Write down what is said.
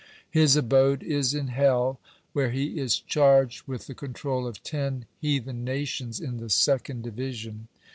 (105) His abode is in hell, where he is charged with the control of ten heathen nations in the second division.